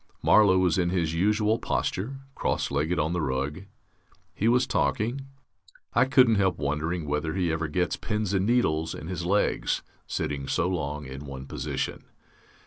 Marlow was in his usual posture, cross legged on the rug. He was talking.... I couldn't help wondering whether he ever gets pins and needles in his legs, sitting so long in one position.